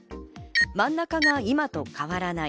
真ん中が今と変わらない。